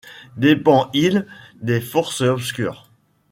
Dépend-il des forces obscures